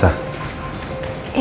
satu dua tiga